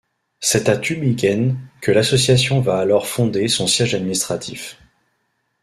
C'est à Tübingen que l'association va alors fonder son siège administratif.